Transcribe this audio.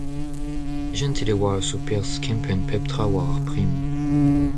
Jentil e oa eus ho perzh kempenn pep tra war ar prim.